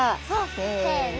せの！